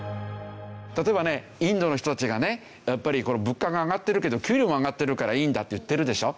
例えばねインドの人たちがねやっぱり物価が上がってるけど給料も上がってるからいいんだって言ってるでしょ。